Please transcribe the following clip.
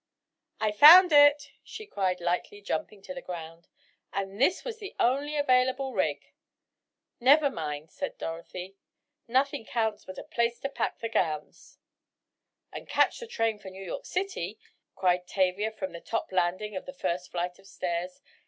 "I found it," she cried lightly jumping to the ground, "and this was the only available rig!" "Never mind," said Dorothy, "nothing counts but a place to pack the gowns!" "And catch the train for New York City," cried Tavia, from the top landing of the first flight of stairs.